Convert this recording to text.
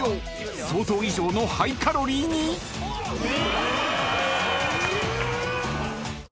［想像以上のハイカロリーに］え！